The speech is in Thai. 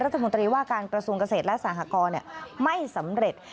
รัฐมนตรีว่าการกระทรวงเกษตรและสหกรไม่สำเร็จ